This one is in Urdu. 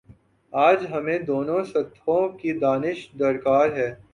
آج ہمیںدونوں سطحوں کی دانش درکار ہے